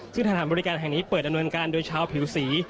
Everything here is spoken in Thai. ซึ่งสถานบริการแห่งนี้เปิดดำเนินการโดยชาวผิวสี